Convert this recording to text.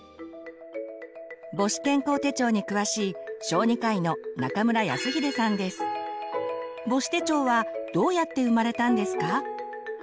母子健康手帳に詳しい母子手帳はどうやって生まれたんですか？